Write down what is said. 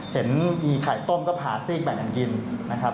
เห็นมีไข่ต้มก็พาซีกแบ่งกันกินนะครับ